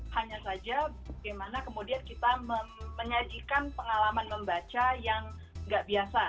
hanya saja bagaimana kemudian kita menyajikan pengalaman membaca yang nggak biasa